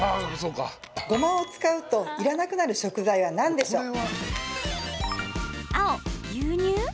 ごまを使うといらなくなる食材は何でしょう？